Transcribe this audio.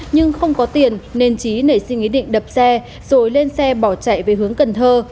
nhưng không có tiền nên trí nảy sinh ý định đập xe rồi lên xe bỏ chạy về hướng cần thơ